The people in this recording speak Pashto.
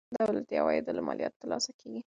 دولتي عواید له مالیاتو ترلاسه کیږي.